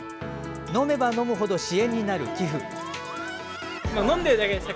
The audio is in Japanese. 飲めば飲むほど支援になる寄付。